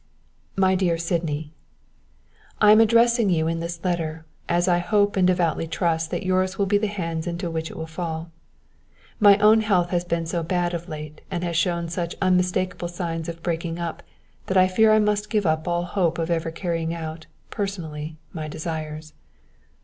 "MY DEAR SYDNEY, "_I am addressing you in this letter, as I hope and devoutly trust that yours will be the hands into which it will fall. My own health has been so bad of late and has shown such unmistakable signs of breaking up that I fear I must give up all hope of ever carrying out, personally, my desires.